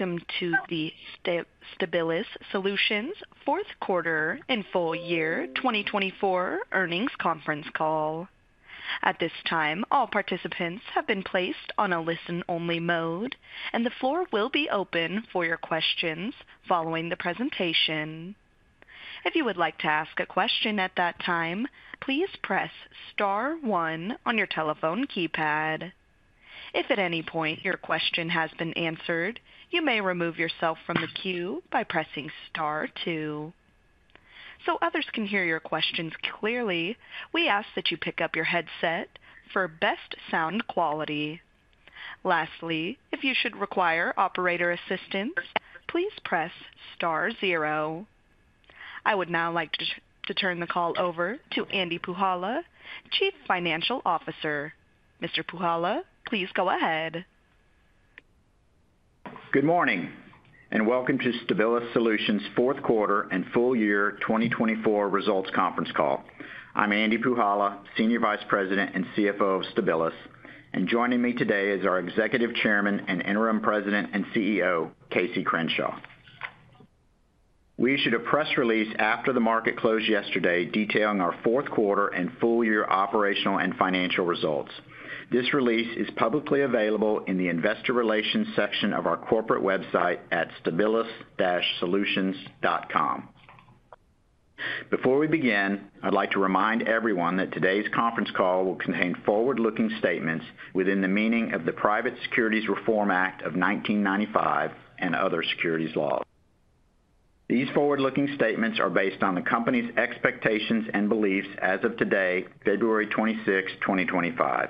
Welcome to the Stabilis Solutions fourth quarter and full year 2024 earnings conference call. At this time, all participants have been placed on a listen-only mode, and the floor will be open for your questions following the presentation. If you would like to ask a question at that time, please press star one on your telephone keypad. If at any point your question has been answered, you may remove yourself from the queue by pressing star two. To ensure others can hear your questions clearly, we ask that you pick up your headset for best sound quality. Lastly, if you should require operator assistance, please press star zero. I would now like to turn the call over to Andy Puhala, Chief Financial Officer. Mr. Puhala, please go ahead. Good morning, and welcome to Stabilis Solutions fourth quarter and full year 2024 results conference call. I'm Andy Puhala, Senior Vice President and CFO of Stabilis, and joining me today is our Executive Chairman and Interim President and CEO, Casey Crenshaw. We issued a press release after the market closed yesterday detailing our fourth quarter and full year operational and financial results. This release is publicly available in the Investor Relations section of our corporate website at stabilis-solutions.com. Before we begin, I'd like to remind everyone that today's conference call will contain forward-looking statements within the meaning of the Private Securities Reform Act of 1995 and other securities laws. These forward-looking statements are based on the company's expectations and beliefs as of today, February 26, 2025.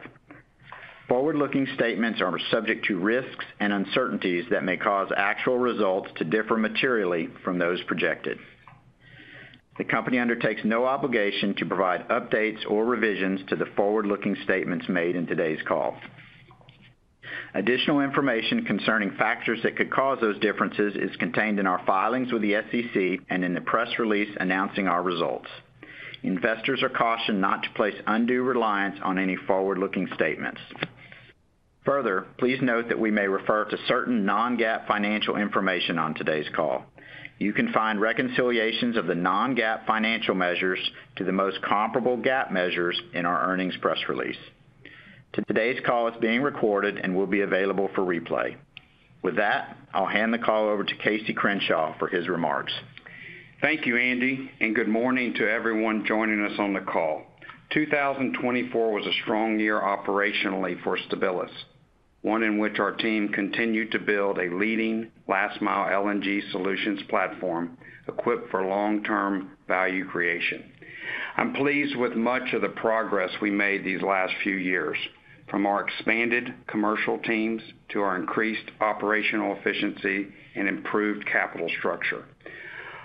Forward-looking statements are subject to risks and uncertainties that may cause actual results to differ materially from those projected. The company undertakes no obligation to provide updates or revisions to the forward-looking statements made in today's call. Additional information concerning factors that could cause those differences is contained in our filings with the SEC and in the press release announcing our results. Investors are cautioned not to place undue reliance on any forward-looking statements. Further, please note that we may refer to certain non-GAAP financial information on today's call. You can find reconciliations of the non-GAAP financial measures to the most comparable GAAP measures in our earnings press release. Today's call is being recorded and will be available for replay. With that, I'll hand the call over to Casey Crenshaw for his remarks. Thank you, Andy, and good morning to everyone joining us on the call. 2024 was a strong year operationally for Stabilis, one in which our team continued to build a leading last-mile LNG solutions platform equipped for long-term value creation. I'm pleased with much of the progress we made these last few years, from our expanded commercial teams to our increased operational efficiency and improved capital structure.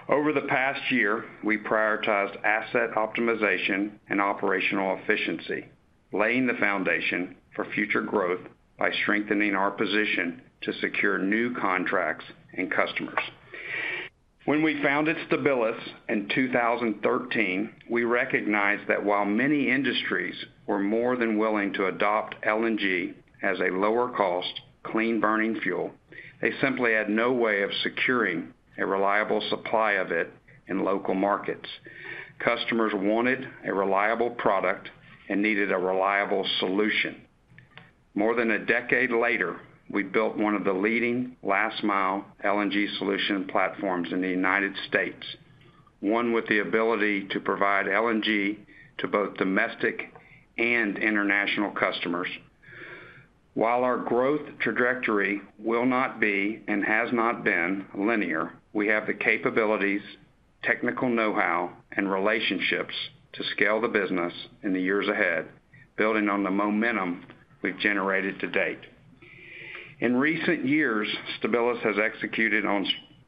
Over the past year, we prioritized asset optimization and operational efficiency, laying the foundation for future growth by strengthening our position to secure new contracts and customers. When we founded Stabilis in 2013, we recognized that while many industries were more than willing to adopt LNG as a lower-cost, clean-burning fuel, they simply had no way of securing a reliable supply of it in local markets. Customers wanted a reliable product and needed a reliable solution. More than a decade later, we built one of the leading last-mile LNG solution platforms in the United States, one with the ability to provide LNG to both domestic and international customers. While our growth trajectory will not be and has not been linear, we have the capabilities, technical know-how, and relationships to scale the business in the years ahead, building on the momentum we've generated to date. In recent years, Stabilis has executed on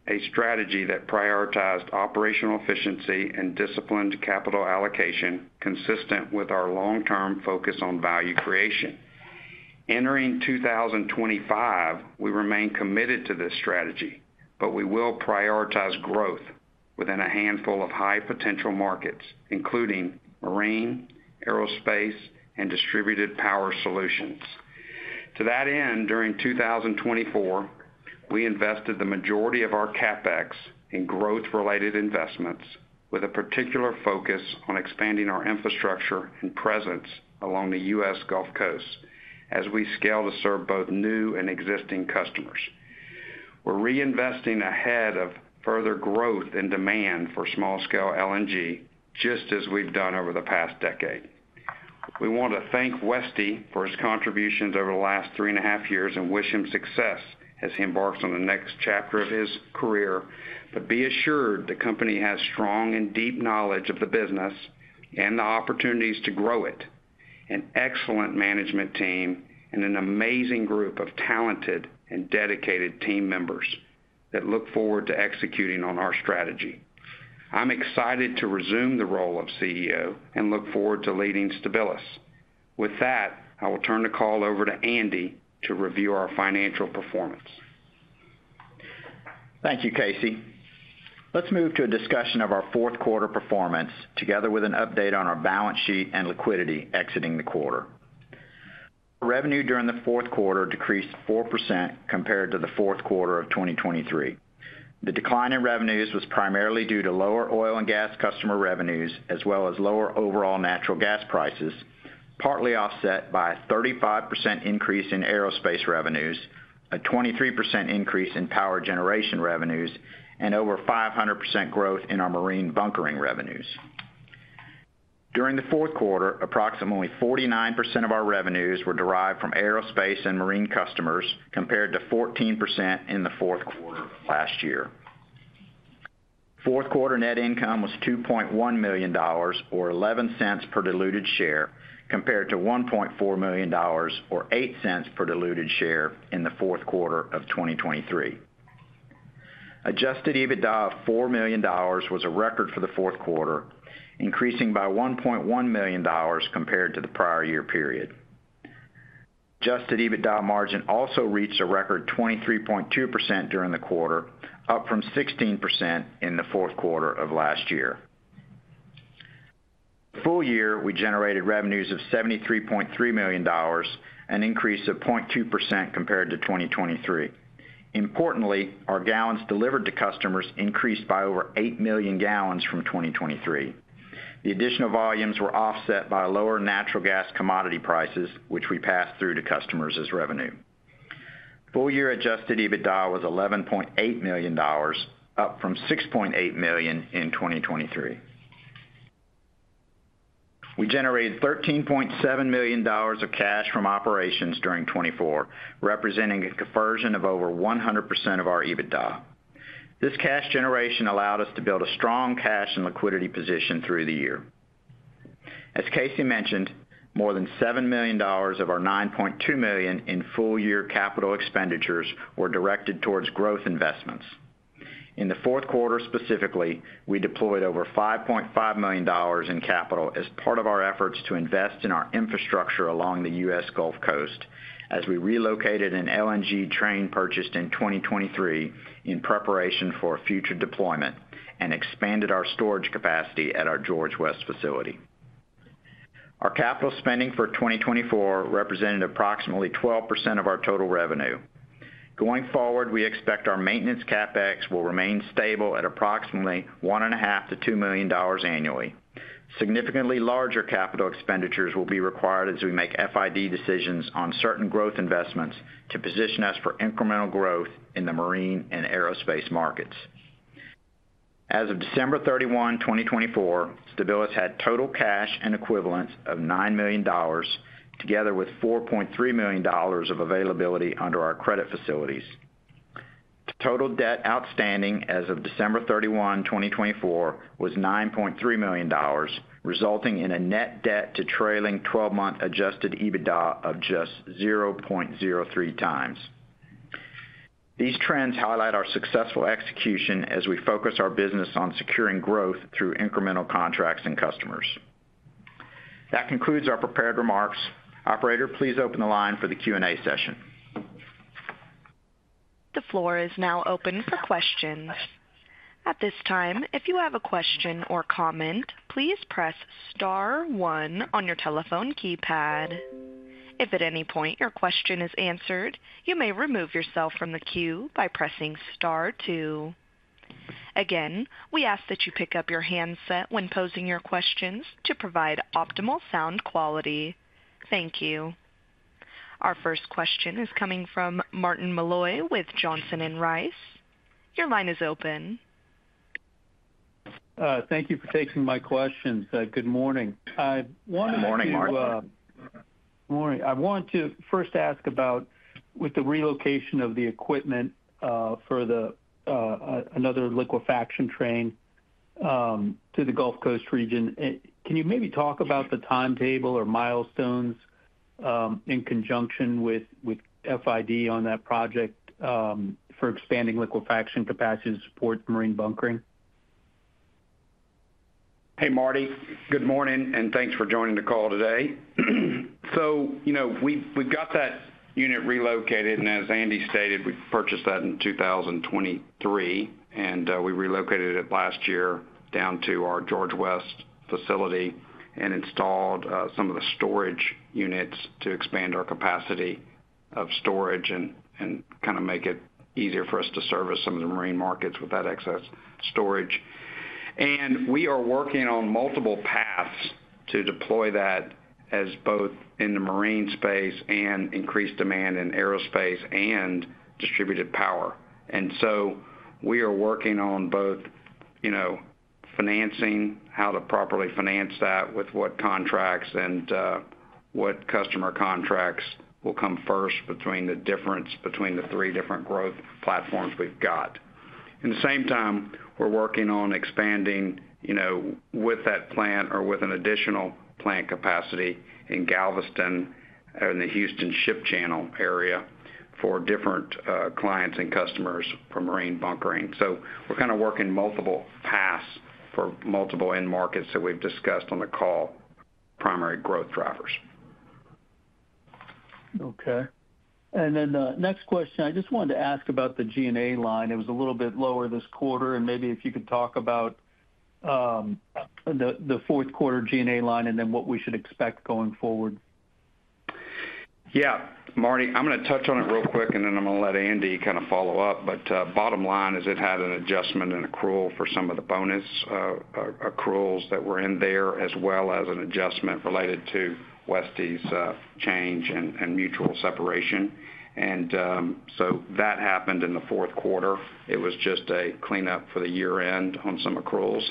a strategy that prioritized operational efficiency and disciplined capital allocation, consistent with our long-term focus on value creation. Entering 2025, we remain committed to this strategy, but we will prioritize growth within a handful of high-potential markets, including marine, aerospace, and distributed power solutions. To that end, during 2024, we invested the majority of our CapEx in growth-related investments, with a particular focus on expanding our infrastructure and presence along the U.S. Gulf Coast as we scale to serve both new and existing customers. We're reinvesting ahead of further growth and demand for small-scale LNG, just as we've done over the past decade. We want to thank Westy for his contributions over the last three and a half years and wish him success as he embarks on the next chapter of his career. Be assured the company has strong and deep knowledge of the business and the opportunities to grow it, an excellent management team, and an amazing group of talented and dedicated team members that look forward to executing on our strategy. I'm excited to resume the role of CEO and look forward to leading Stabilis. With that, I will turn the call over to Andy to review our financial performance. Thank you, Casey. Let's move to a discussion of our fourth quarter performance, together with an update on our balance sheet and liquidity exiting the quarter. Revenue during the fourth quarter decreased 4% compared to the fourth quarter of 2023. The decline in revenues was primarily due to lower oil and gas customer revenues, as well as lower overall natural gas prices, partly offset by a 35% increase in aerospace revenues, a 23% increase in power generation revenues, and over 500% growth in our marine bunkering revenues. During the fourth quarter, approximately 49% of our revenues were derived from aerospace and marine customers, compared to 14% in the fourth quarter last year. Fourth quarter net income was $2.1 million, or $0.11 per diluted share, compared to $1.4 million, or $0.08 per diluted share, in the fourth quarter of 2023. Adjusted EBITDA of $4 million was a record for the fourth quarter, increasing by $1.1 million compared to the prior year period. Adjusted EBITDA margin also reached a record 23.2% during the quarter, up from 16% in the fourth quarter of last year. Full year, we generated revenues of $73.3 million, an increase of 0.2% compared to 2023. Importantly, our gallons delivered to customers increased by over 8 million gallons from 2023. The additional volumes were offset by lower natural gas commodity prices, which we passed through to customers as revenue. Full year adjusted EBITDA was $11.8 million, up from $6.8 million in 2023. We generated $13.7 million of cash from operations during 2024, representing a conversion of over 100% of our EBITDA. This cash generation allowed us to build a strong cash and liquidity position through the year. As Casey mentioned, more than $7 million of our $9.2 million in full-year capital expenditures were directed towards growth investments. In the fourth quarter specifically, we deployed over $5.5 million in capital as part of our efforts to invest in our infrastructure along the U.S. Gulf Coast, as we relocated an LNG train purchased in 2023 in preparation for future deployment and expanded our storage capacity at our George West facility. Our capital spending for 2024 represented approximately 12% of our total revenue. Going forward, we expect our maintenance CapEx will remain stable at approximately $1.5 million-$2 million annually. Significantly larger capital expenditures will be required as we make FID decisions on certain growth investments to position us for incremental growth in the marine and aerospace markets. As of December 31, 2024, Stabilis had total cash and equivalents of $9 million, together with $4.3 million of availability under our credit facilities. Total debt outstanding as of December 31, 2024, was $9.3 million, resulting in a net debt to trailing 12-month adjusted EBITDA of just 0.03x. These trends highlight our successful execution as we focus our business on securing growth through incremental contracts and customers. That concludes our prepared remarks. Operator, please open the line for the Q&A session. The floor is now open for questions. At this time, if you have a question or comment, please press star one on your telephone keypad. If at any point your question is answered, you may remove yourself from the queue by pressing star two. Again, we ask that you pick up your handset when posing your questions to provide optimal sound quality. Thank you. Our first question is coming from Martin Malloy with Johnson Rice. Your line is open. Thank you for taking my questions. Good morning. I wanted to. Good morning, Martin. Good morning. I want to first ask about with the relocation of the equipment, for the, another liquefaction train, to the Gulf Coast region. Can you maybe talk about the timetable or milestones, in conjunction with, with FID on that project, for expanding liquefaction capacity to support marine bunkering? Hey, Marty. Good morning, and thanks for joining the call today. You know, we've got that unit relocated, and as Andy stated, we purchased that in 2023, and we relocated it last year down to our George West facility and installed some of the storage units to expand our capacity of storage and kind of make it easier for us to service some of the marine markets with that excess storage. We are working on multiple paths to deploy that, as both in the marine space and increased demand in aerospace and distributed power. We are working on both, you know, financing, how to properly finance that with what contracts and what customer contracts will come first between the difference between the three different growth platforms we've got. In the same time, we're working on expanding, you know, with that plant or with an additional plant capacity in Galveston and the Houston Ship Channel area for different clients and customers for marine bunkering. We're kind of working multiple paths for multiple end markets that we've discussed on the call, primary growth drivers. Okay. The next question, I just wanted to ask about the G&A line. It was a little bit lower this quarter, and maybe if you could talk about the, the fourth quarter G&A line and then what we should expect going forward. Yeah. Marty, I'm gonna touch on it real quick, and then I'm gonna let Andy kind of follow up. Bottom line is it had an adjustment and accrual for some of the bonus accruals that were in there, as well as an adjustment related to Westy's change and mutual separation. That happened in the fourth quarter. It was just a cleanup for the year-end on some accruals.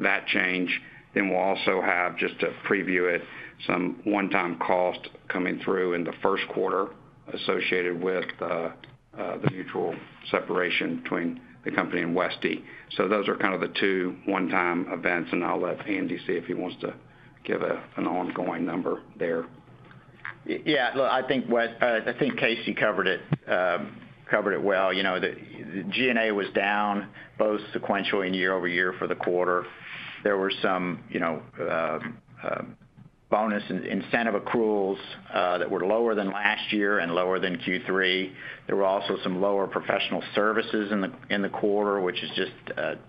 That change. We will also have, just to preview it, some one-time cost coming through in the first quarter associated with the mutual separation between the company and Westy. Those are kind of the two one-time events, and I'll let Andy see if he wants to give an ongoing number there. Yeah. Look, I think Westy, I think Casey covered it, covered it well. You know, the G&A was down both sequentially and year-over-year for the quarter. There were some, you know, bonus incentive accruals that were lower than last year and lower than Q3. There were also some lower professional services in the quarter, which is just,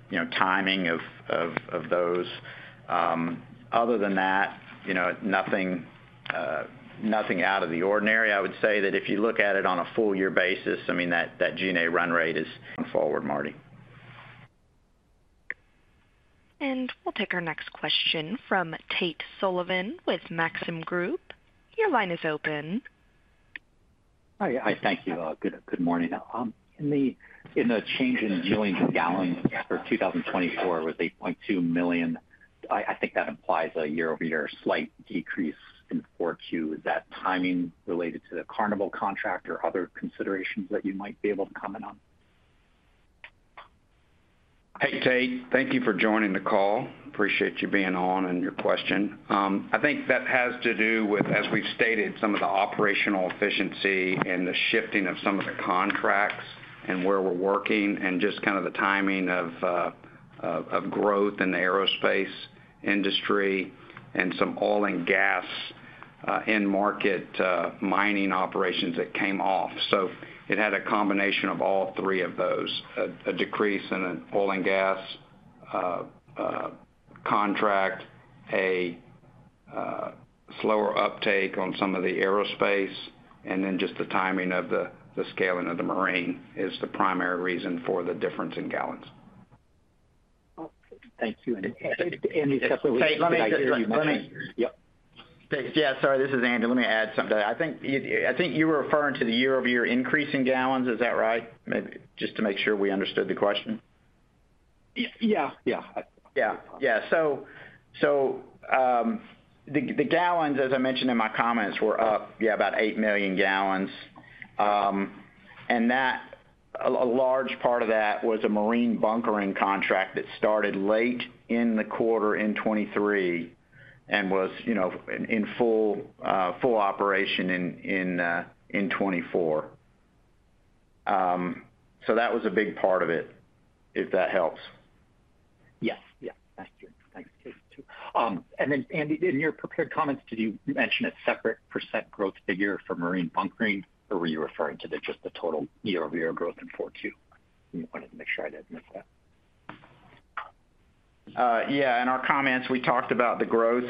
you know, timing of those. Other than that, you know, nothing out of the ordinary. I would say that if you look at it on a full-year basis, I mean, that G&A run rate is. Forward, Marty. We will take our next question from Tate Sullivan with Maxim Group. Your line is open. Hi. Thank you. Good morning. In the change in millions of gallons for 2024 was 8.2 million. I think that implies a year-over-year slight decrease in Q4. Is that timing related to the Carnival contract or other considerations that you might be able to comment on? Hey, Tate. Thank you for joining the call. Appreciate you being on and your question. I think that has to do with, as we've stated, some of the operational efficiency and the shifting of some of the contracts and where we're working and just kind of the timing of growth in the aerospace industry and some oil and gas end market, mining operations that came off. It had a combination of all three of those: a decrease in an oil and gas contract, a slower uptake on some of the aerospace, and then just the timing of the scaling of the marine is the primary reason for the difference in gallons. Okay. Thank you. Andy, definitely we should. Tate, let me just. Let me. Yep. Thanks. Yeah. Sorry. This is Andy. Let me add something. I think you were referring to the year-over-year increase in gallons. Is that right? Maybe just to make sure we understood the question. Yeah. Yeah. Yeah. Yeah. So, the gallons, as I mentioned in my comments, were up, yeah, about 8 million gallons. And that, a large part of that was a marine bunkering contract that started late in the quarter in 2023 and was, you know, in full, full operation in 2024. That was a big part of it, if that helps. Yes. Yeah. Thank you. Thanks. And then, Andy, in your prepared comments, did you mention a separate per cent growth figure for marine bunkering, or were you referring to just the total year-over-year growth in 4Q? I wanted to make sure I did not miss that. Yeah. In our comments, we talked about the growth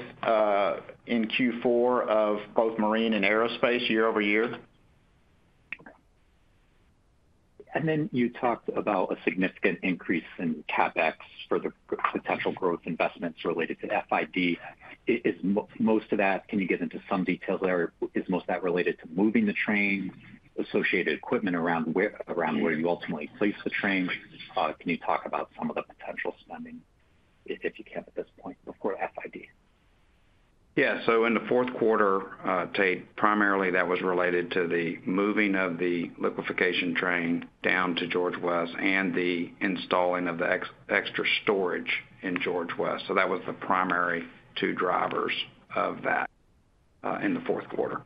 in Q4 of both marine and aerospace year-over-year. Okay. You talked about a significant increase in CapEx for the potential growth investments related to FID. Is most of that—can you get into some details there? Is most of that related to moving the train, associated equipment around where you ultimately place the train? Can you talk about some of the potential spending, if you can, at this point before FID? Yeah. In the fourth quarter, Tate, primarily that was related to the moving of the liquefaction train down to George West and the installing of the extra storage in George West. That was the primary two drivers of that, in the fourth quarter.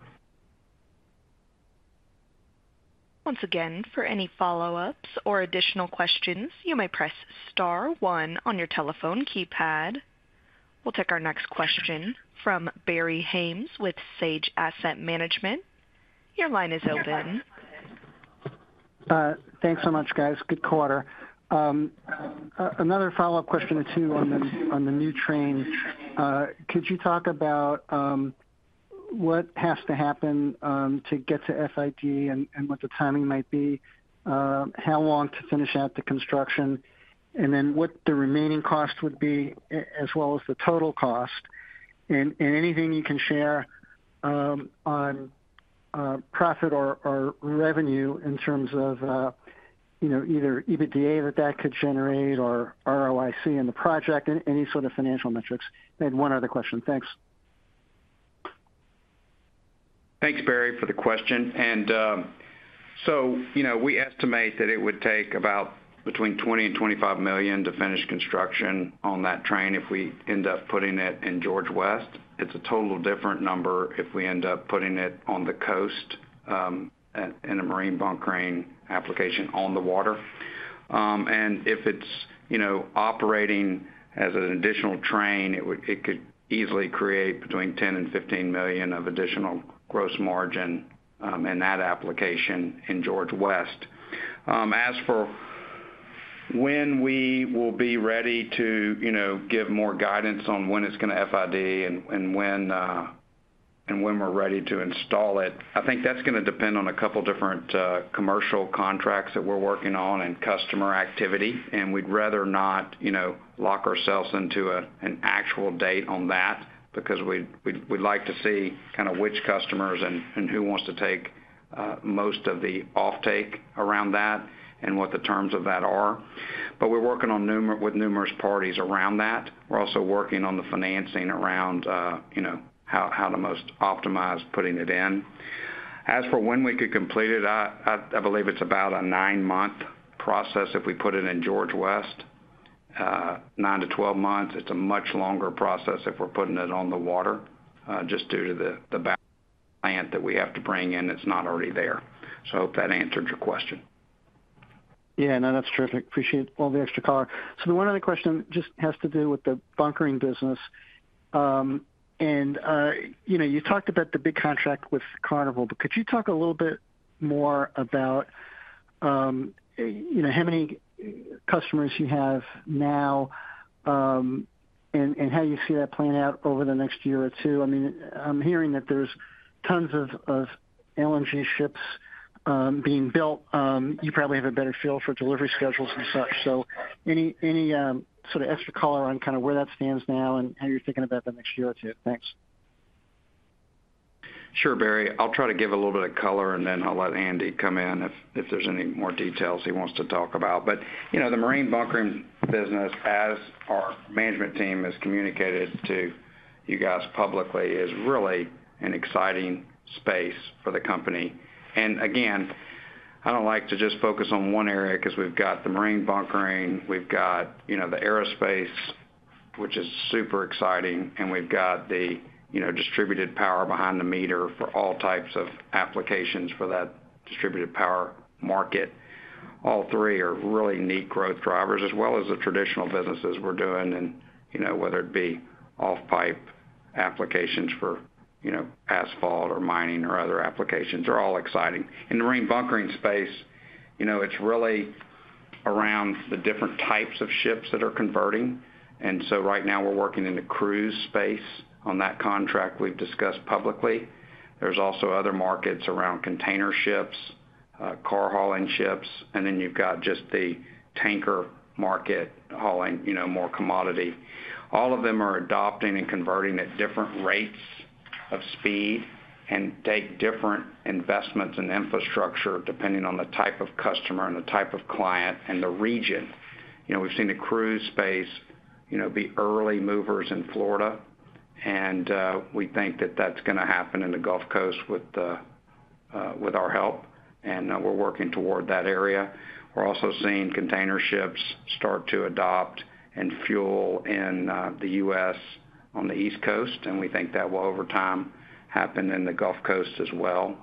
Once again, for any follow-ups or additional questions, you may press star one on your telephone keypad. We'll take our next question from Barry Haimes with Sage Asset Management. Your line is open. Thanks so much, guys. Good quarter. Another follow-up question too on the new train. Could you talk about what has to happen to get to FID and what the timing might be, how long to finish out the construction, and then what the remaining cost would be, as well as the total cost? Anything you can share on profit or revenue in terms of, you know, either EBITDA that that could generate or ROIC in the project, and any sort of financial metrics. One other question. Thanks. Thanks, Barry, for the question. You know, we estimate that it would take about between $20 million and $25 million to finish construction on that train if we end up putting it in George West. It is a total different number if we end up putting it on the coast, and a marine bunkering application on the water. If it is, you know, operating as an additional train, it could easily create between $10 million and $15 million of additional gross margin in that application in George West. As for when we will be ready to, you know, give more guidance on when it is gonna FID and when we are ready to install it, I think that is gonna depend on a couple different commercial contracts that we are working on and customer activity. We'd rather not, you know, lock ourselves into an actual date on that because we'd like to see kind of which customers and who wants to take most of the offtake around that and what the terms of that are. We're working with numerous parties around that. We're also working on the financing around, you know, how to most optimize putting it in. As for when we could complete it, I believe it's about a nine-month process if we put it in George West. Nine to twelve months. It's a much longer process if we're putting it on the water, just due to the balance of plant that we have to bring in that's not already there. I hope that answered your question. Yeah. No, that's terrific. Appreciate all the extra color. The one other question just has to do with the bunkering business, and, you know, you talked about the big contract with Carnival, but could you talk a little bit more about, you know, how many customers you have now, and how you see that playing out over the next year or two? I mean, I'm hearing that there's tons of, of LNG ships being built. You probably have a better feel for delivery schedules and such. Any, any sort of extra color on kind of where that stands now and how you're thinking about the next year or two? Thanks. Sure, Barry. I'll try to give a little bit of color, and then I'll let Andy come in if there's any more details he wants to talk about. You know, the marine bunkering business, as our management team has communicated to you guys publicly, is really an exciting space for the company. Again, I don't like to just focus on one area 'cause we've got the marine bunkering, we've got, you know, the aerospace, which is super exciting, and we've got the, you know, distributed power behind the meter for all types of applications for that distributed power market. All three are really neat growth drivers, as well as the traditional businesses we're doing and, you know, whether it be off-pipe applications for, you know, asphalt or mining or other applications are all exciting. In the marine bunkering space, you know, it's really around the different types of ships that are converting. Right now we're working in the cruise space on that contract we've discussed publicly. There's also other markets around container ships, car hauling ships, and then you've got just the tanker market hauling, you know, more commodity. All of them are adopting and converting at different rates of speed and take different investments and infrastructure depending on the type of customer and the type of client and the region. You know, we've seen the cruise space, you know, be early movers in Florida, and we think that that's gonna happen in the Gulf Coast with our help. We're working toward that area. We're also seeing container ships start to adopt and fuel in the U.S. on the East Coast, and we think that will over time happen in the Gulf Coast as well.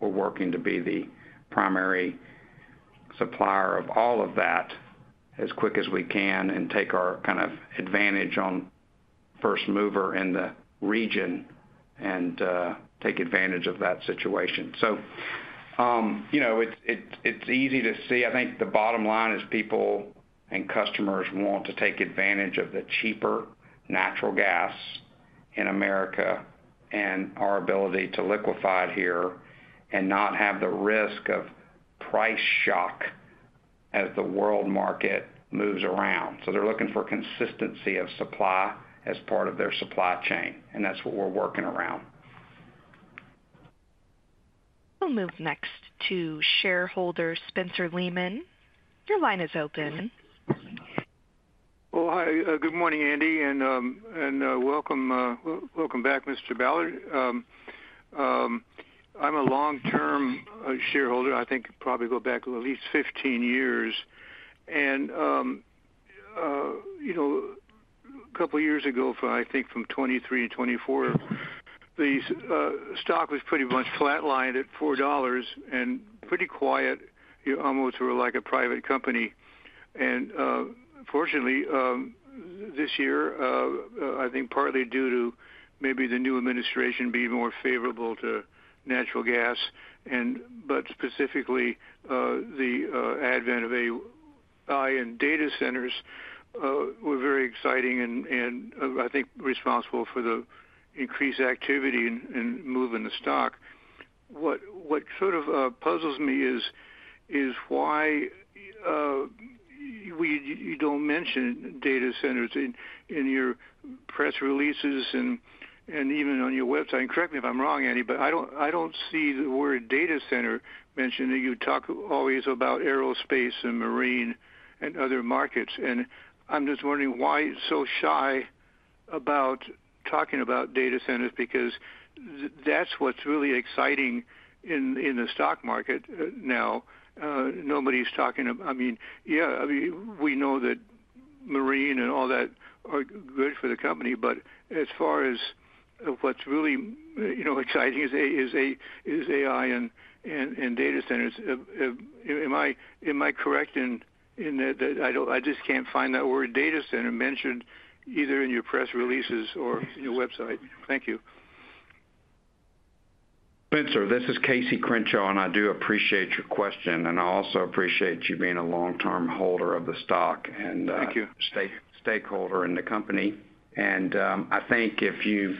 We're working to be the primary supplier of all of that as quick as we can and take our kind of advantage on first mover in the region and take advantage of that situation. You know, it's easy to see. I think the bottom line is people and customers want to take advantage of the cheaper natural gas in America and our ability to liquefy it here and not have the risk of price shock as the world market moves around. They're looking for consistency of supply as part of their supply chain, and that's what we're working around. We'll move next to shareholder Spencer Lehman. Your line is open. Hi, good morning, Andy. Welcome back, Mr. Ballard. I'm a long-term shareholder. I think probably go back at least 15 years. You know, a couple years ago, I think from 2023 to 2024, the stock was pretty much flat-lined at $4 and pretty quiet. You almost were like a private company. Fortunately, this year, I think partly due to maybe the new administration being more favorable to natural gas, but specifically, the advent of AI and data centers, were very exciting and, I think, responsible for the increased activity and moving the stock. What sort of puzzles me is why you don't mention data centers in your press releases and even on your website. Correct me if I'm wrong, Andy, but I don't see the word data center mentioned. You talk always about aerospace and marine and other markets. I'm just wondering why so shy about talking about data centers because that's what's really exciting in the stock market now. Nobody's talking ab I mean, yeah, I mean, we know that marine and all that are good for the company, but as far as what's really, you know, exciting is a, is a, is AI and, and, and data centers. Am I, am I correct in that, that I don't, I just can't find that word data center mentioned either in your press releases or in your website? Thank you. Spencer, this is Casey Crenshaw, and I do appreciate your question. I also appreciate you being a long-term holder of the stock and, Thank you. Stakeholder in the company. I think if you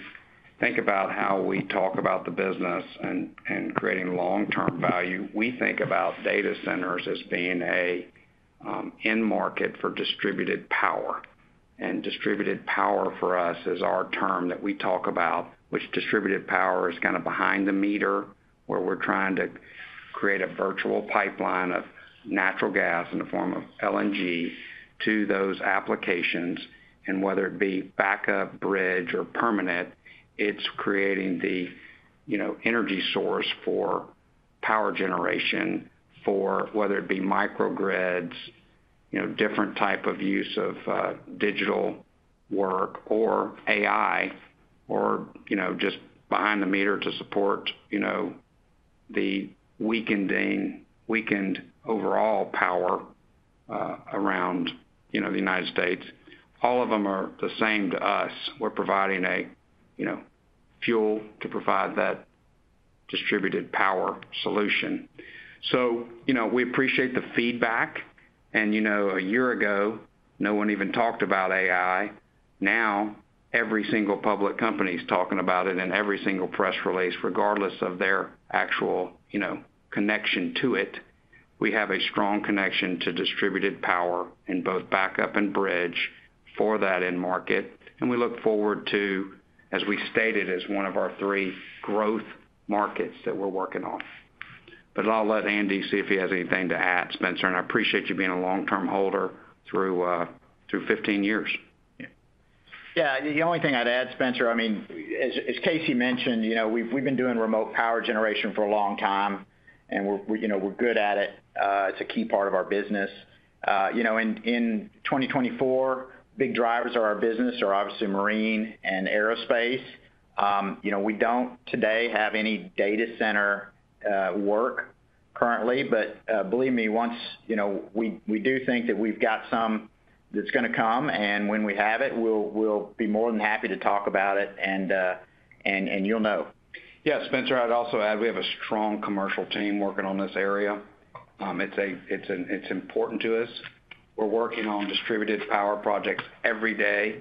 think about how we talk about the business and creating long-term value, we think about data centers as being an end market for distributed power. Distributed power for us is our term that we talk about, which distributed power is kind of behind the meter where we're trying to create a virtual pipeline of natural gas in the form of LNG to those applications. Whether it be backup, bridge, or permanent, it's creating the energy source for power generation for whether it be microgrids, different type of use of digital work or AI or just behind the meter to support the weakening, weakened overall power around the United States. All of them are the same to us. We're providing a, you know, fuel to provide that distributed power solution. You know, we appreciate the feedback. You know, a year ago, no one even talked about AI. Now every single public company's talking about it in every single press release, regardless of their actual, you know, connection to it. We have a strong connection to distributed power in both backup and bridge for that end market. We look forward to, as we stated, as one of our three growth markets that we're working on. I'll let Andy see if he has anything to add, Spencer. I appreciate you being a long-term holder through 15 years. Yeah. Yeah. The only thing I'd add, Spencer, I mean, as Casey mentioned, you know, we've been doing remote power generation for a long time, and we're, you know, we're good at it. It's a key part of our business. You know, in 2024, big drivers of our business are obviously marine and aerospace. You know, we don't today have any data center work currently, but believe me, once, you know, we do think that we've got some that's gonna come, and when we have it, we'll be more than happy to talk about it. And you'll know. Yeah. Spencer, I'd also add we have a strong commercial team working on this area. It's important to us. We're working on distributed power projects every day,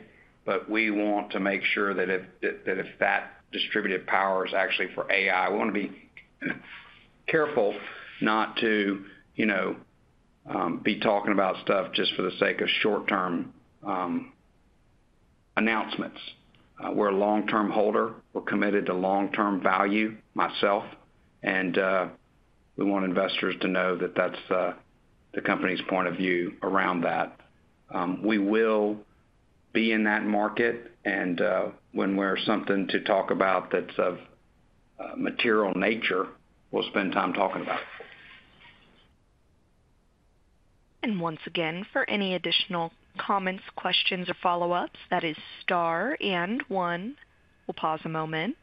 but we want to make sure that if that distributed power is actually for AI, we want to be careful not to, you know, be talking about stuff just for the sake of short-term announcements. We're a long-term holder. We're committed to long-term value, myself. We want investors to know that that's the company's point of view around that. We will be in that market. When we have something to talk about that's of material nature, we'll spend time talking about it. Once again, for any additional comments, questions, or follow-ups, that is star and one. We'll pause a moment.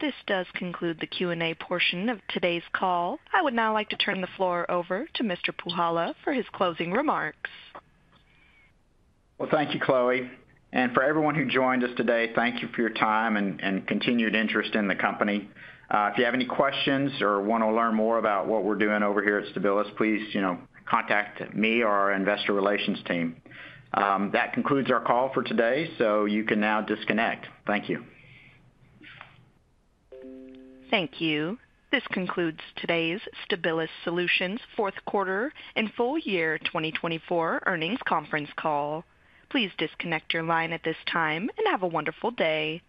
This does conclude the Q&A portion of today's call. I would now like to turn the floor over to Mr. Puhala for his closing remarks. Thank you, Chloe. For everyone who joined us today, thank you for your time and continued interest in the company. If you have any questions or want to learn more about what we are doing over here at Stabilis, please, you know, contact me or our Investor Relations team. That concludes our call for today, so you can now disconnect. Thank you. Thank you. This concludes today's Stabilis Solutions fourth quarter and full year 2024 earnings conference call. Please disconnect your line at this time and have a wonderful day.